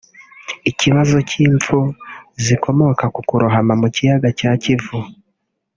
Ikibazo cy’imfu zikomoka ku kurohama mu kiyaga cya Kivu